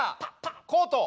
コート！